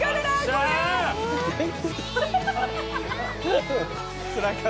あっ！